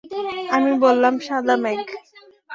আমরা বললাম সাদা মেঘ।